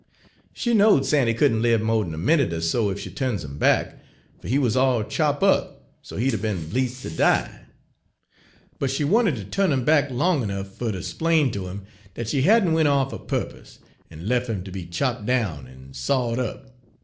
She knowed Sandy couldn' lib mo' d'n a minute er so ef she turns him back, fer he wuz all chop' up so he 'd 'a' be'n bleedst ter die. But she wanted ter turn 'im back long ernuff fer ter 'splain ter 'im dat she hadn' went off a purpose, en lef' 'im ter be chop' down en sawed up.